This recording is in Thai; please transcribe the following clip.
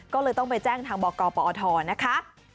ก็เลยต้องไปแจ้งทางบกปอทนะคะ